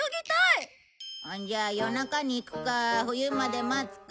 じゃあ夜中に行くか冬まで待つか。